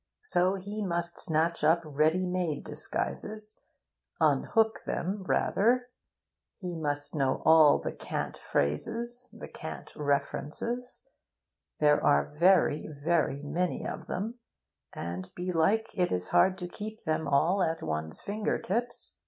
So he must snatch up ready made disguises unhook them, rather. He must know all the cant phrases, the cant references. There are very, very many of them, and belike it is hard to keep them all at one's finger tips.